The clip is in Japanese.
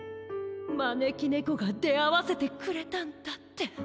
まねきねこがであわせてくれたんだって。